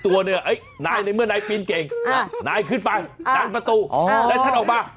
ตัวเนี่ยเห้ยนายในเมื่อนายปีนเก่งนายขึ้นไปสร้างประตูแสดงชันออกมา